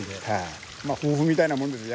夫婦みたいなもんですよ